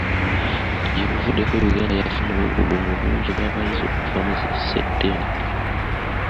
Gye buvuddeko, Uganda yafuna obwegugungo bungi obw'abayizi okuva mu zi ssetendekero.